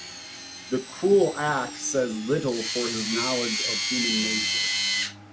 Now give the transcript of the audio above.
The cruel act says little for his knowledge of human nature.